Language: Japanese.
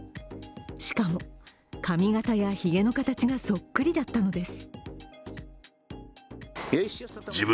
しかも髪形やひげの形がそっくりだったのです。